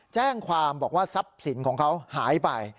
แจ้งความบอกว่าทรัพย์สินของเขาหายไป